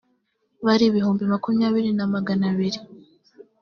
bari ibihumbi makumyabiri na magana abiri